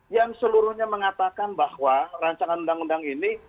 yang seluruhnya mengatakan bahwa rancangan undang undang ini